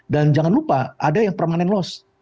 dan jangan lupa ada yang permanent loss